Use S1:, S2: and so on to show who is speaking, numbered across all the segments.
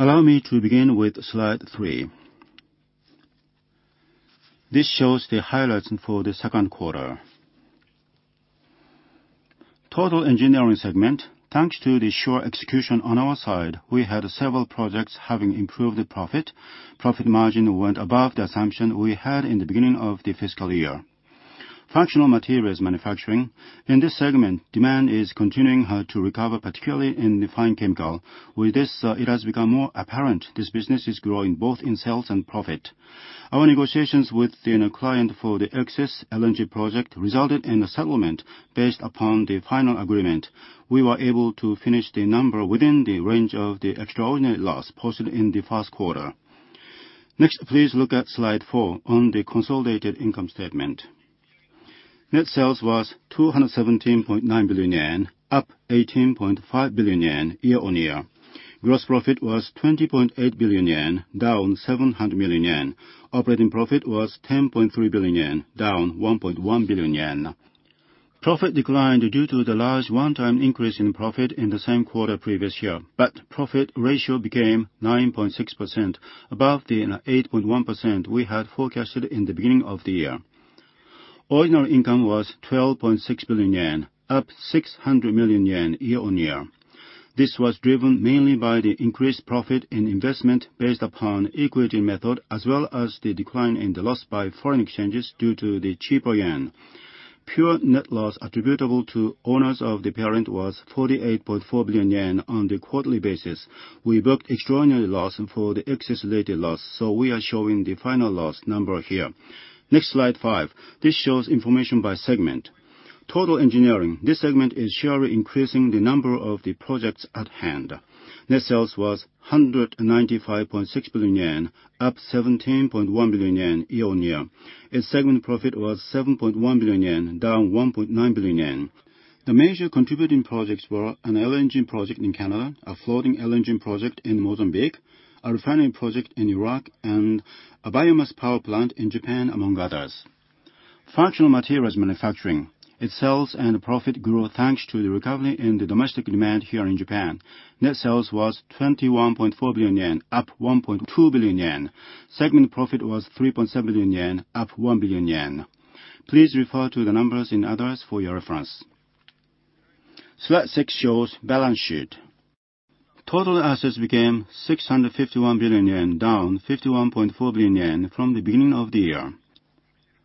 S1: Allow me to begin with slide 3. This shows the highlights for the second quarter. Total Engineering segment. Thanks to the sure execution on our side, we had several projects having improved profit. Profit margin went above the assumption we had in the beginning of the fiscal year. Functional materials manufacturing. In this segment, demand is continuing to recover, particularly in the fine chemical. With this, it has become more apparent this business is growing both in sales and profit. Our negotiations with the client for the Ichthys LNG project resulted in a settlement based upon the final agreement. We were able to finish the number within the range of the extraordinary loss posted in the first quarter. Next, please look at slide 4 on the consolidated income statement. Net sales was 217.9 billion yen, up 18.5 billion yen year-on-year. Gross profit was 20.8 billion yen, down 700 million yen. Operating profit was 10.3 billion yen, down 1.1 billion yen. Profit declined due to the large one-time increase in profit in the same quarter previous year, but profit ratio became 9.6%, above the 8.1% we had forecasted in the beginning of the year. Ordinary income was 12.6 billion yen, up 600 million yen year-on-year. This was driven mainly by the increased profit in investment based upon equity method, as well as the decline in the loss by foreign exchanges due to the cheaper yen. Net loss attributable to owners of the parent was 48.4 billion yen on the quarterly basis. We booked extraordinary loss for the Ichthys-related loss, so we are showing the final loss number here. Next, slide 5. This shows information by segment. Total Engineering. This segment is surely increasing the number of the projects at hand. Net sales was 195.6 billion yen, up 17.1 billion yen year-on-year. Its segment profit was 7.1 billion yen, down 1.9 billion yen. The major contributing projects were an LNG project in Canada, a floating LNG project in Mozambique, a refinery project in Iraq, and a biomass power plant in Japan, among others. Functional materials manufacturing. Its sales and profit grew thanks to the recovery in the domestic demand here in Japan. Net sales was 21.4 billion yen, up 1.2 billion yen. Segment profit was 3.7 billion yen, up 1 billion yen. Please refer to the numbers in others for your reference. Slide 6 shows balance sheet. Total assets became 651 billion yen, down 51.4 billion yen from the beginning of the year.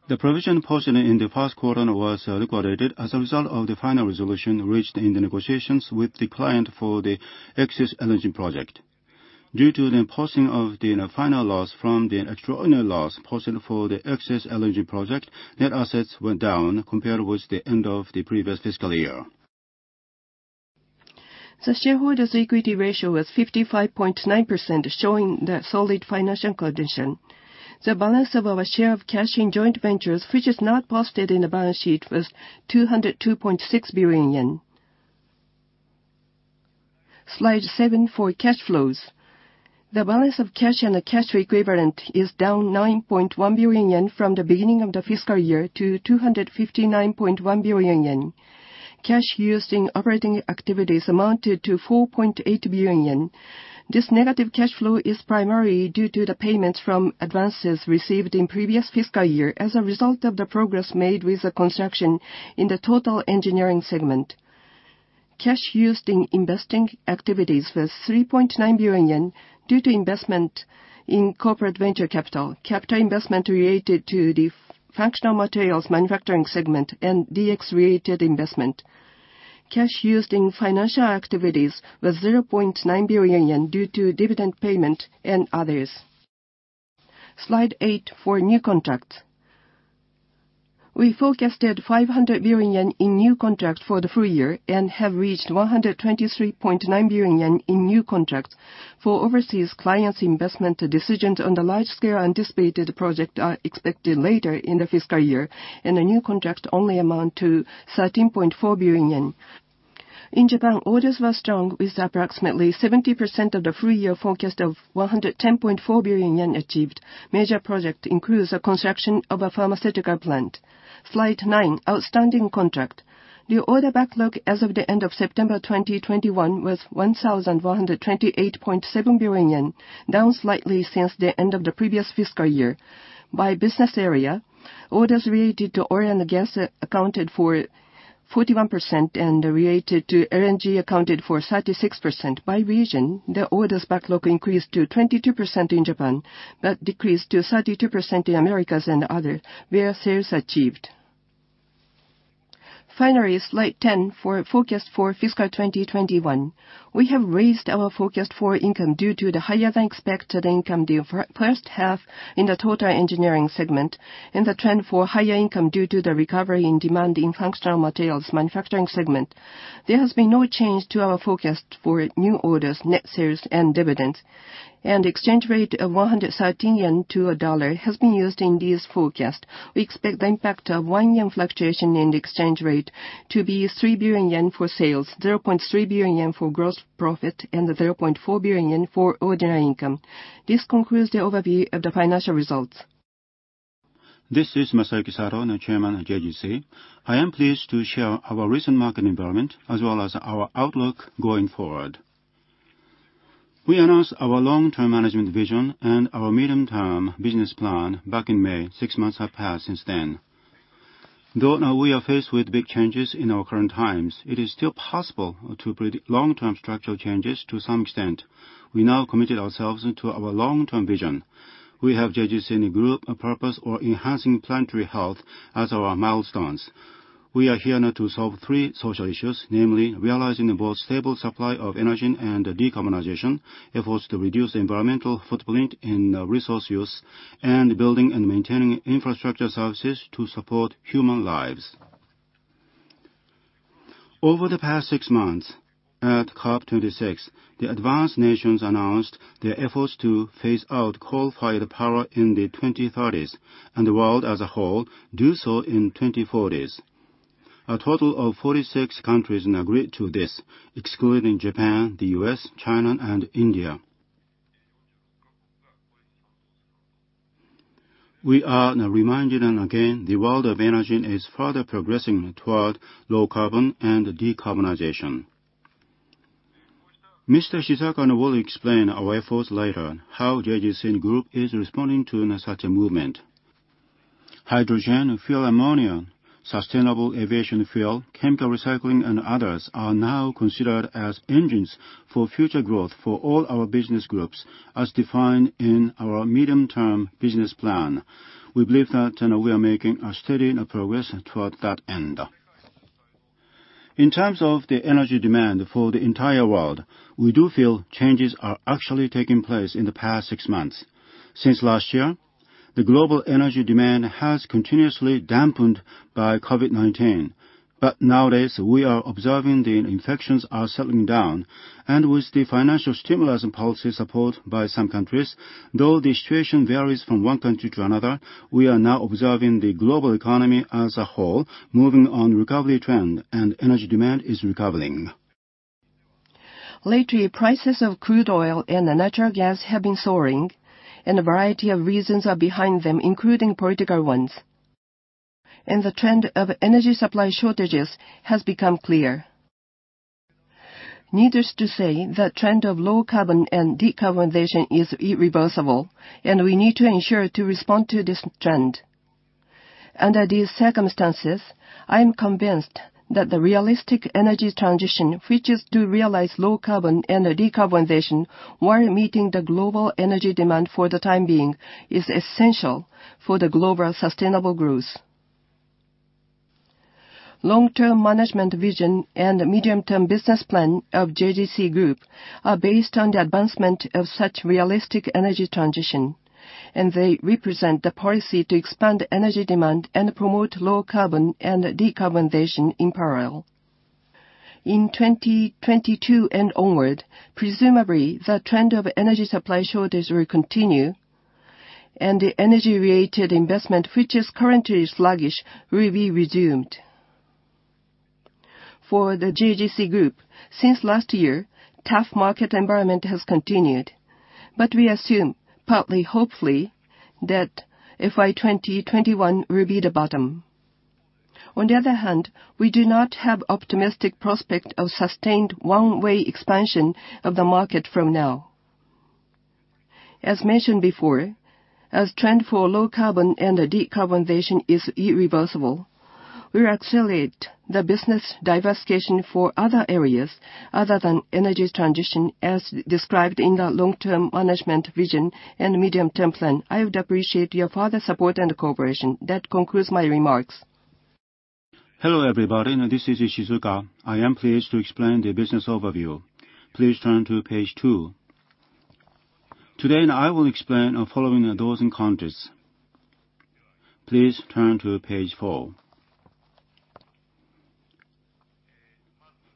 S1: The provision posted in the first quarter was liquidated as a result of the final resolution reached in the negotiations with the client for the Ichthys LNG project. Due to the posting of the final loss from the extraordinary loss posted for the Ichthys LNG project, net assets went down compared with the end of the previous fiscal year.
S2: The shareholders' equity ratio was 55.9%, showing the solid financial condition. The balance of our share of cash in joint ventures, which is not posted in the balance sheet, was 202.6 billion yen. Slide 7 for cash flows. The balance of cash and the cash equivalent is down 9.1 billion yen from the beginning of the fiscal year to 259.1 billion yen. Cash used in operating activities amounted to 4.8 billion yen. This negative cash flow is primarily due to the payments from advances received in previous fiscal year as a result of the progress made with the construction in the Total Engineering segment. Cash used in investing activities was 3.9 billion yen due to investment in corporate venture capital investment related to the Functional Materials Manufacturing segment, and DX-related investment. Cash used in financial activities was 0.9 billion yen due to dividend payment and others. Slide 8 for new contracts. We forecasted 500 billion yen in new contracts for the full year and have reached 123.9 billion yen in new contracts. For overseas clients' investment decisions on the large-scale anticipated project are expected later in the fiscal year, and the new contract only amount to 13.4 billion yen. In Japan, orders were strong, with approximately 70% of the full year forecast of 110.4 billion yen achieved. Major project includes the construction of a pharmaceutical plant. Slide 9, outstanding contract. The order backlog as of the end of September 2021 was 1,128.7 billion yen, down slightly since the end of the previous fiscal year. By business area, orders related to oil and gas accounted for 41% and related to LNG accounted for 36%. By region, the orders backlog increased to 22% in Japan, but decreased to 32% in Americas and other, where sales achieved. Finally, slide 10 for forecast for fiscal 2021. We have raised our forecast for income due to the higher-than-expected income in the first half in the Total Engineering segment and the trend for higher income due to the recovery in demand in Functional Materials Manufacturing segment. There has been no change to our forecast for new orders, net sales, and dividends. An exchange rate of 113 yen to a dollar has been used in this forecast. We expect the impact of 1 yen fluctuation in the exchange rate to be 3 billion yen for sales, 0.3 billion yen for gross profit, and 0.4 billion yen for ordinary income. This concludes the overview of the financial results.
S3: This is Masayuki Sato, the Chairman of JGC. I am pleased to share our recent market environment as well as our outlook going forward. We announced our long-term management vision and our medium-term business plan back in May. Six months have passed since then. Though now we are faced with big changes in our current times, it is still possible to predict long-term structural changes to some extent. We have now committed ourselves to our long-term vision. We have JGC Group, a purpose for enhancing planetary health as our milestones. We are here now to solve three social issues, namely realizing both stable supply of energy and decarbonization, efforts to reduce environmental footprint in resource use, and building and maintaining infrastructure services to support human lives.
S2: Over the past six months at COP26, the advanced nations announced their efforts to phase out coal-fired power in the 2030s, and the world as a whole do so in 2040s. A total of 46 countries now agreed to this, excluding Japan, the U.S., China and India. We are now reminded again that the world of energy is further progressing toward low carbon and decarbonization. Mr. Ishizuka will explain our efforts later, how JGC Group is responding to such a movement. Hydrogen, fuel ammonia, sustainable aviation fuel, chemical recycling and others are now considered as engines for future growth for all our business groups as defined in our medium-term business plan. We believe that we are making a steady progress toward that end. In terms of the energy demand for the entire world, we do feel changes are actually taking place in the past six months. Since last year, the global energy demand has continuously dampened by COVID-19. Nowadays we are observing the infections are settling down, and with the financial stimulus and policy support by some countries, though the situation varies from one country to another, we are now observing the global economy as a whole moving on recovery trend and energy demand is recovering. Lately, prices of crude oil and natural gas have been soaring, and a variety of reasons are behind them, including political ones. The trend of energy supply shortages has become clear. Needless to say, the trend of low carbon and decarbonization is irreversible, and we need to ensure to respond to this trend. Under these circumstances, I am convinced that the realistic energy transition, which is to realize low carbon and decarbonization while meeting the global energy demand for the time being, is essential for the global sustainable growth. Long-term management vision and medium-term business plan of JGC Group are based on the advancement of such realistic energy transition, and they represent the policy to expand energy demand and promote low carbon and decarbonization in parallel. In 2022 and onward, presumably the trend of energy supply shortage will continue, and the energy-related investment, which is currently sluggish, will be resumed. For the JGC Group, since last year, tough market environment has continued, but we assume, partly hopefully, that FY 2021 will be the bottom. On the other hand, we do not have optimistic prospect of sustained one-way expansion of the market from now. As mentioned before, the trend for low carbon and decarbonization is irreversible, we accelerate the business diversification for other areas other than energy transition as described in the long-term management vision and medium-term plan. I would appreciate your further support and cooperation. That concludes my remarks.
S1: Hello, everybody. This is Ishizuka. I am pleased to explain the business overview. Please turn to page 2. Today, I will explain following those contents. Please turn to page 4.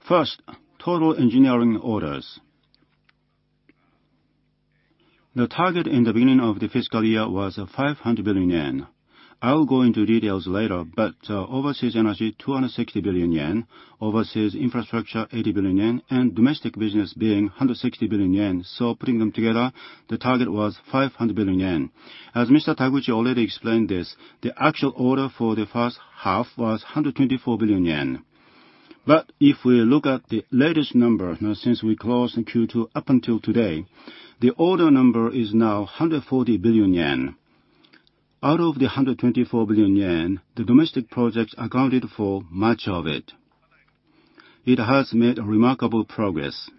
S1: First, total engineering orders. The target in the beginning of the fiscal year was 500 billion yen. I will go into details later, but overseas energy, 260 billion yen, overseas infrastructure, 80 billion yen, and domestic business being 160 billion yen. Putting them together, the target was 500 billion yen. As Mr. Taguchi already explained this, the actual order for the first half was 124 billion yen. If we look at the latest number since we closed in Q2 up until today, the order number is now 140 billion yen. Out of the 124 billion yen, the domestic projects accounted for much of it. It has made remarkable progress.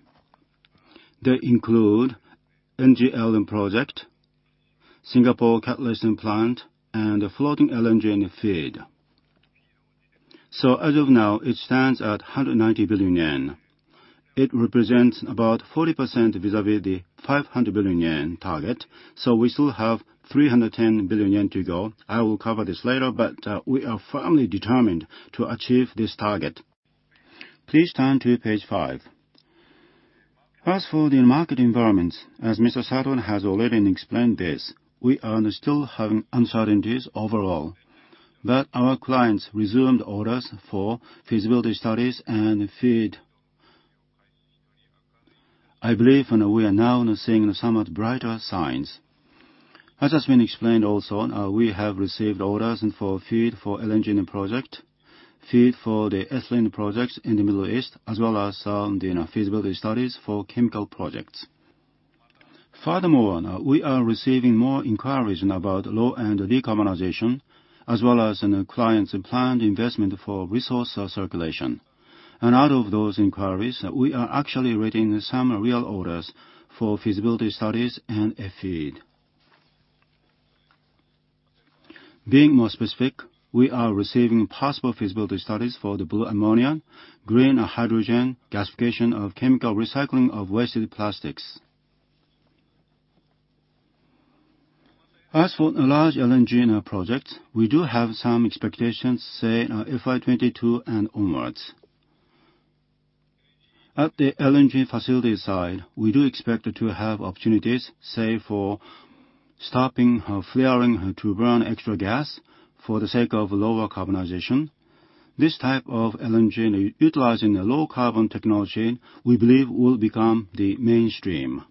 S1: They include NGL project, Singapore catalyst plant, and floating LNG in FEED. As of now, it stands at 190 billion yen. It represents about 40% vis-a-vis the 500 billion yen target, so we still have 310 billion yen to go. I will cover this later, but we are firmly determined to achieve this target. Please turn to page 5. As for the market environments, as Mr. Sato has already explained this, we are still having uncertainties overall. Our clients resumed orders for feasibility studies and FEED. I believe, and we are now seeing somewhat brighter signs. As has been explained also, we have received orders for FEED for LNG project, FEED for the ethylene projects in the Middle East, as well as, the feasibility studies for chemical projects. Furthermore, we are receiving more inquiries about low-carbon decarbonization, as well as in clients' planned investment for resource circulation. Out of those inquiries, we are actually receiving some real orders for feasibility studies and a FEED. Being more specific, we are receiving possible feasibility studies for blue ammonia, green hydrogen, gasification and chemical recycling of waste plastics. As for a large LNG project, we do have some expectations, say FY 2022 and onwards. At the LNG facility side, we do expect to have opportunities, say for stopping flaring to burn extra gas for the sake of decarbonization. This type of LNG utilizing a low-carbon technology, we believe will become the mainstream.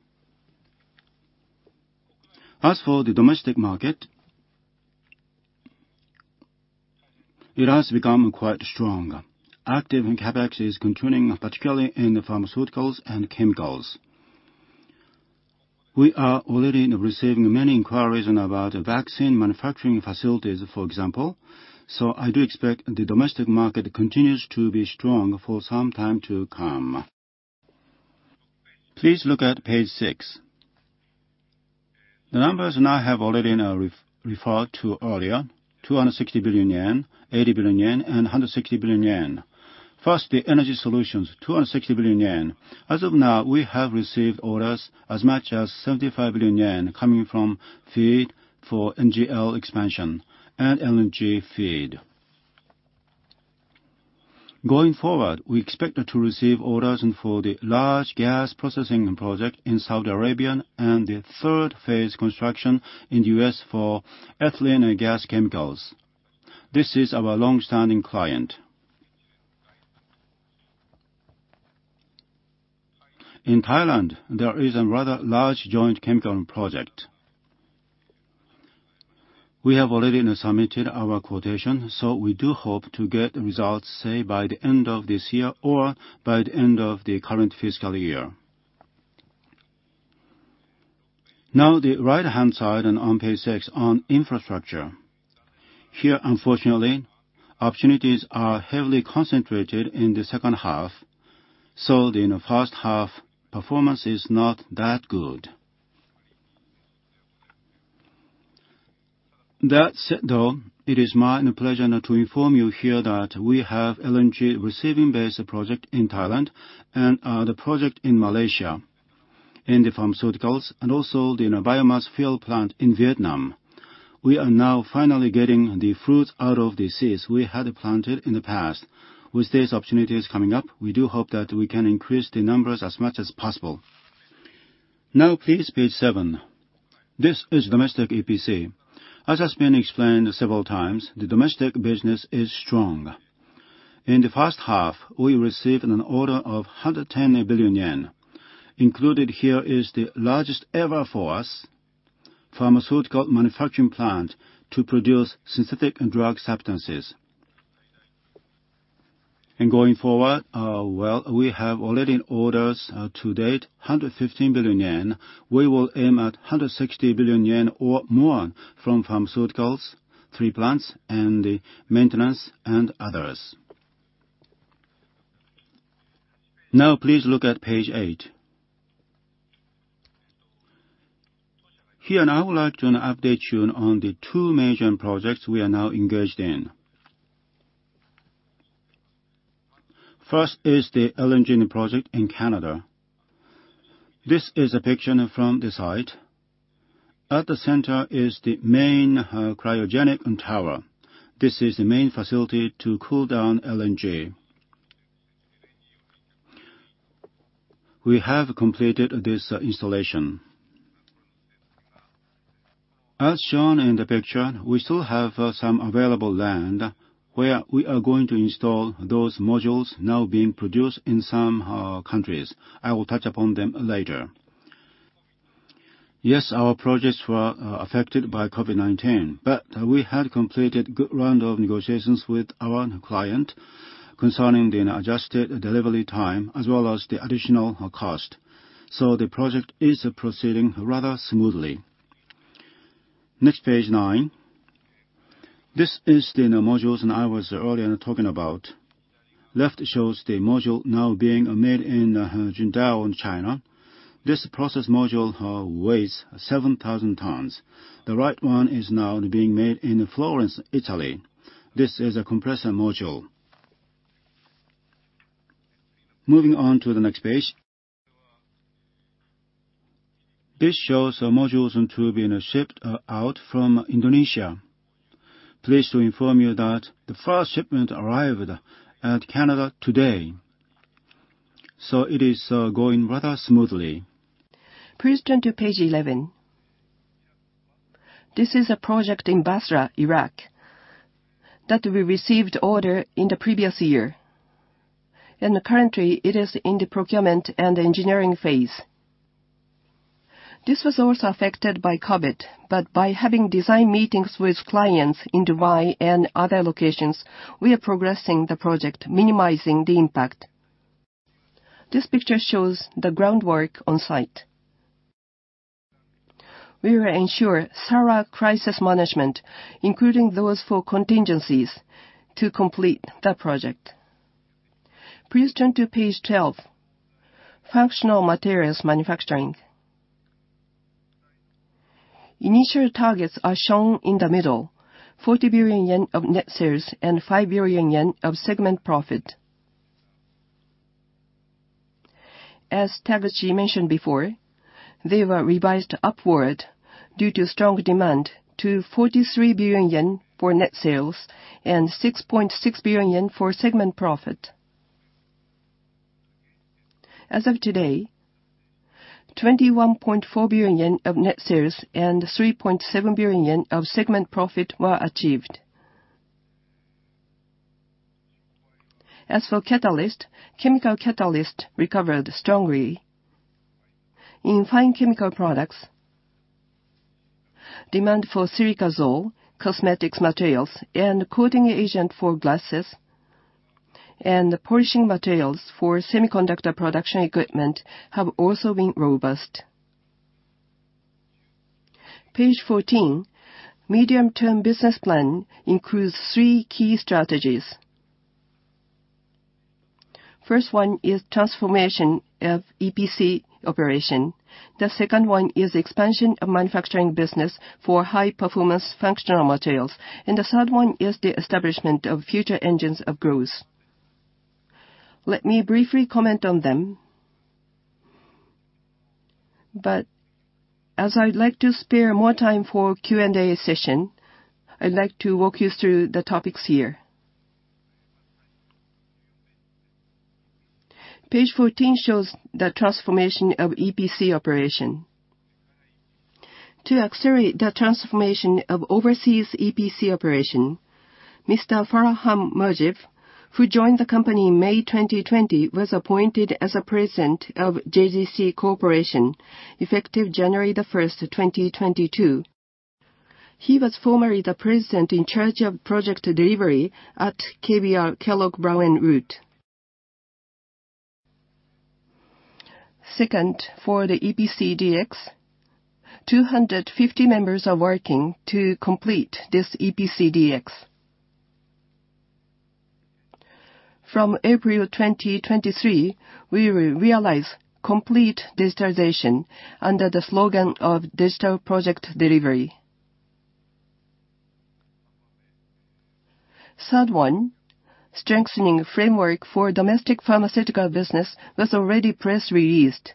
S1: As for the domestic market, it has become quite strong. Active CapEx is continuing, particularly in the pharmaceuticals and chemicals. We are already receiving many inquiries about vaccine manufacturing facilities, for example, so I do expect the domestic market continues to be strong for some time to come. Please look at page 6. The numbers now I have already referred to earlier, 260 billion yen, 80 billion yen and 160 billion yen. First, the energy solutions, 260 billion yen. As of now, we have received orders as much as 75 billion yen coming from FEED for NGL expansion and LNG FEED. Going forward, we expect to receive orders for the large gas processing project in Saudi Arabia and the third phase construction in the U.S. for ethylene and gas chemicals. This is our long-standing client. In Thailand, there is a rather large joint chemical project. We have already now submitted our quotation, so we do hope to get results say by the end of this year or by the end of the current fiscal year. Now, the right-hand side on page 6 on infrastructure. Here, unfortunately, opportunities are heavily concentrated in the second half, so in the first half, performance is not that good. That said, though, it is my pleasure now to inform you here that we have LNG receiving-based project in Thailand and, the project in Malaysia in the pharmaceuticals and also the, you know, biomass fuel plant in Vietnam. We are now finally getting the fruits out of the seeds we had planted in the past. With these opportunities coming up, we do hope that we can increase the numbers as much as possible. Now please page 7. This is domestic EPC. As has been explained several times, the domestic business is strong. In the first half, we received an order of 110 billion yen. Included here is the largest ever for us, pharmaceutical manufacturing plant to produce synthetic drug substances. Going forward, we have already orders to date 115 billion yen. We will aim at 160 billion yen or more from pharmaceuticals, three plants and the maintenance and others. Now please look at page 8. Here, I would like to update you on the two major projects we are now engaged in. First is the LNG project in Canada. This is a picture from the site. At the center is the main cryogenic tower. This is the main facility to cool down LNG. We have completed this installation. As shown in the picture, we still have some available land where we are going to install those modules now being produced in some countries. I will touch upon them later. Yes, our projects were affected by COVID-19, but we had completed good round of negotiations with our client concerning the adjusted delivery time as well as the additional cost. The project is proceeding rather smoothly. Next, page 9. This is the modules now I was earlier talking about. Left shows the module now being made in Qingdao, China. This process module weighs 7,000 tons. The right one is now being made in Florence, Italy. This is a compressor module. Moving on to the next page. This shows the modules now being shipped out from Indonesia. Pleased to inform you that the first shipment arrived at Canada today. It is going rather smoothly.
S2: Please turn to page 11. This is a project in Basra, Iraq, that we received order in the previous year. Currently, it is in the procurement and engineering phase. This was also affected by COVID, but by having design meetings with clients in Dubai and other locations, we are progressing the project, minimizing the impact. This picture shows the groundwork on site. We will ensure thorough crisis management, including those for contingencies, to complete the project. Please turn to page 12, Functional Materials Manufacturing. Initial targets are shown in the middle, 40 billion yen of net sales and 5 billion yen of segment profit. As Taguchi mentioned before, they were revised upward due to strong demand to 43 billion yen for net sales and 6.6 billion yen for segment profit. As of today, 21.4 billion yen of net sales and 3.7 billion yen of segment profit were achieved. As for catalyst, chemical catalyst recovered strongly. In fine chemical products, demand for silica sol, cosmetics materials, and coating agent for glasses, and the polishing materials for semiconductor production equipment have also been robust. Page 14, Medium-Term Business Plan includes three key strategies. First one is transformation of EPC operation. The second one is expansion of manufacturing business for high-performance functional materials. The third one is the establishment of future engines of growth. Let me briefly comment on them. As I'd like to spare more time for Q&A session, I'd like to walk you through the topics here. Page 14 shows the transformation of EPC operation. To accelerate the transformation of overseas EPC operation. Mr. Farhan Mujib, who joined the company in May 2020, was appointed as a President of JGC Corporation, effective January 1st, 2022. He was formerly the President in charge of project delivery at KBR Kellogg Brown & Root. Second, for the EPC DX, 250 members are working to complete this EPC DX. From April 2023, we will realize complete digitalization under the slogan of Digital Project Delivery. Third one, strengthening framework for domestic pharmaceutical business was already press released.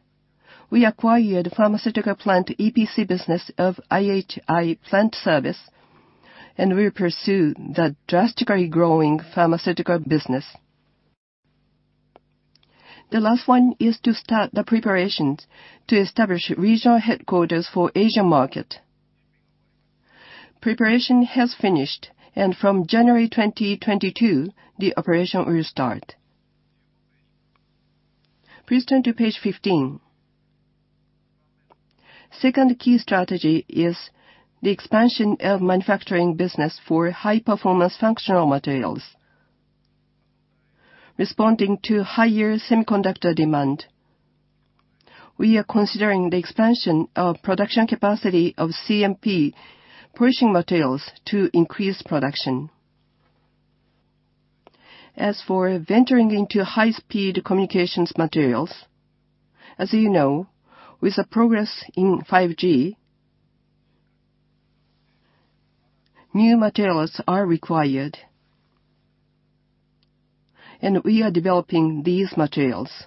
S2: We acquired pharmaceutical plant EPC business of IHI Plant Services Corporation, and we will pursue the drastically growing pharmaceutical business. The last one is to start the preparations to establish regional headquarters for Asia market. Preparation has finished, and from January 2022, the operation will start. Please turn to page 15. Second key strategy is the expansion of manufacturing business for high-performance functional materials. Responding to higher semiconductor demand, we are considering the expansion of production capacity of CMP polishing materials to increase production. As for venturing into high-speed communications materials, as you know, with the progress in 5G, new materials are required. We are developing these materials.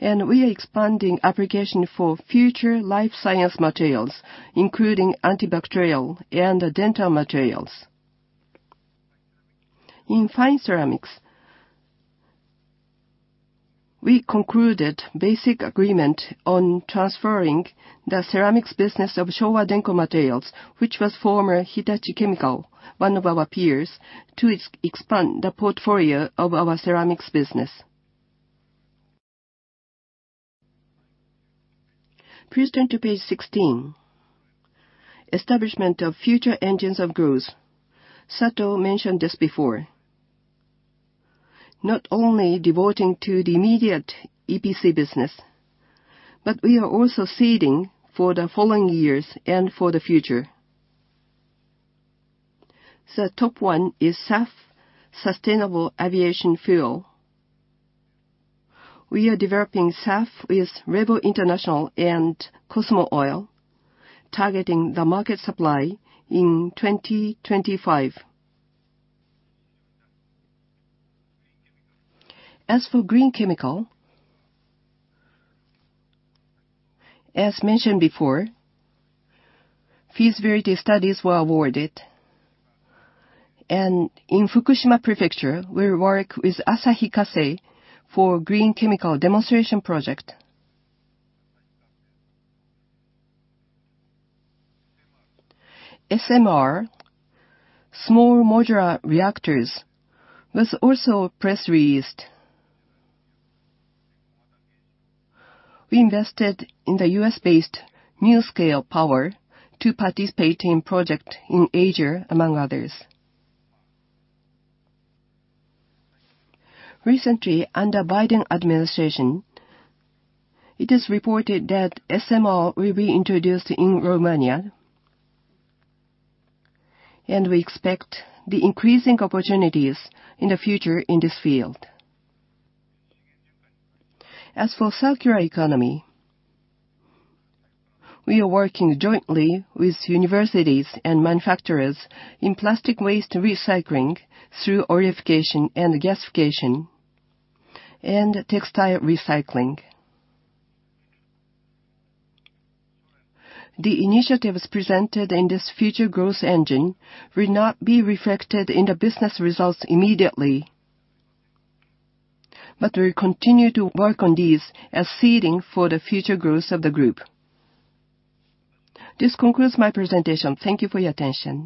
S2: We are expanding application for future life science materials, including antibacterial and dental materials. In fine ceramics, we concluded basic agreement on transferring the ceramics business of Showa Denko Materials, which was former Hitachi Chemical, one of our peers, to expand the portfolio of our ceramics business. Please turn to page 16, Establishment of Future Engines of Growth. Sato mentioned this before. Not only devoting to the immediate EPC business, but we are also seeding for the following years and for the future. The top one is SAF, sustainable aviation fuel. We are developing SAF with REVO International and Cosmo Oil, targeting the market supply in 2025. As for green chemical, as mentioned before, feasibility studies were awarded. In Fukushima Prefecture, we work with Asahi Kasei for green chemical demonstration project. SMR, small modular reactors, was also press released. We invested in the U.S.-based NuScale Power to participate in project in Asia, among others. Recently, under Biden administration, it is reported that SMR will be introduced in Romania, and we expect the increasing opportunities in the future in this field. As for circular economy, we are working jointly with universities and manufacturers in plastic waste recycling through pyrolysis and gasification and textile recycling. The initiatives presented in this future growth engine will not be reflected in the business results immediately, but we'll continue to work on these as seeding for the future growth of the group. This concludes my presentation. Thank you for your attention.